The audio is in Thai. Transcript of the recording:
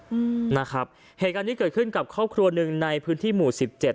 อืมนะครับเหตุการณ์นี้เกิดขึ้นกับครอบครัวหนึ่งในพื้นที่หมู่สิบเจ็ด